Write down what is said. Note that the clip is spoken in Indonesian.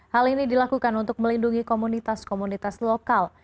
hal ini dilakukan untuk melindungi komunitas komunitas lokal